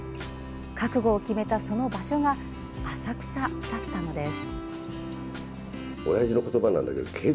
覚悟を決めたその場所が浅草だったのです。